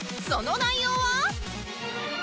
その内容は？